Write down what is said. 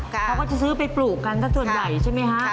เขาก็จะซื้อไปปลูกกันสักส่วนใหญ่ใช่ไหมฮะ